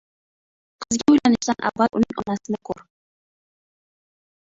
• Qizga uylanishdan avval uning onasini ko‘r.